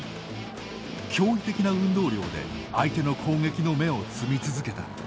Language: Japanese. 驚異的な運動量で相手の攻撃の芽を摘み続けた。